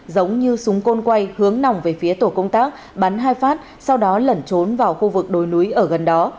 giống như súng côn quay hướng nòng về phía tổ công tác bắn hai phát sau đó lẩn trốn vào khu vực đồi núi ở gần đó